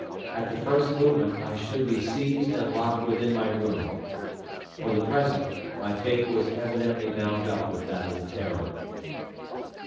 At the first movement, I should be seized and locked within my room. For the present, my fate was evidently bound up with that of the "Terror."